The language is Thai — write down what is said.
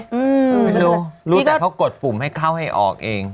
ไม่รู้รู้รู้แต่เขากดปุ่มให้เข้าให้ออกเอง